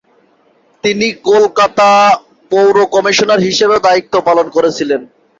তিনি কলকাতা পৌর কমিশনার হিসাবেও দায়িত্ব পালন করেছিলেন।